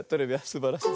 すばらしい。